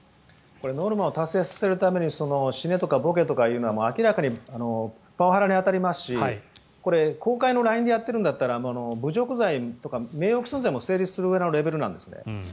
ノルマを達成させるために死ねとかボケというのは明らかにパワハラに当たりますし公開のＬＩＮＥでやってるんだったら侮辱罪とか名誉毀損罪も成立するレベルなんですね。